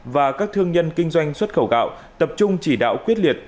và các thương nhân kinh doanh xuất khẩu gạo tập trung chỉ đạo quyết liệt